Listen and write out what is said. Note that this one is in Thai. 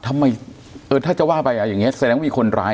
ถ้าไม่เออถ้าจะว่าไปอย่างเงี้ยแสดงว่ามีคนร้าย